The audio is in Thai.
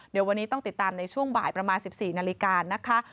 เดี๋ยววันนี้ต้องติดตามในช่วงบ่ายประมาณ๑๔นาฬิกานะคะ